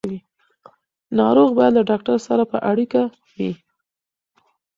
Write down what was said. ناروغ باید له ډاکټر سره په اړیکه وي.